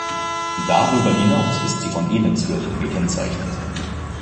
Darüber hinaus ist sie von Elendsvierteln gekennzeichnet.